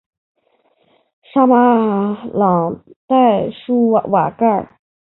沙马朗代舒瓦盖。